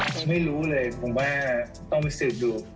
ผมไม่รู้เลยผมว่าต้องไปสืบดู